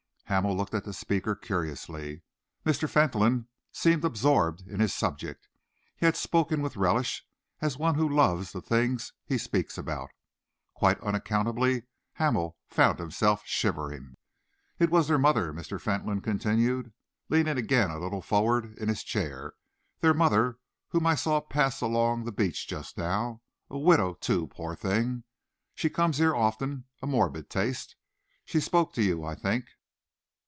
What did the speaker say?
Hamel looked at the speaker curiously. Mr. Fentolin seemed absorbed in his subject. He had spoken with relish, as one who loves the things he speaks about. Quite unaccountably, Hamel found himself shivering. "It was their mother," Mr. Fentolin continued, leaning again a little forward in his chair, "their mother whom I saw pass along the beach just now a widow, too, poor thing. She comes here often a morbid taste. She spoke to you, I think?"